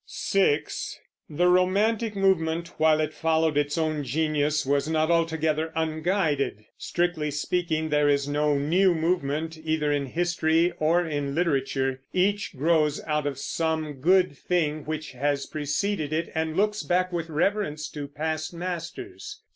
6. The romantic movement, while it followed its own genius, was not altogether unguided. Strictly speaking, there is no new movement either in history or in literature; each grows out of some good thing which has preceded it, and looks back with reverence to past masters.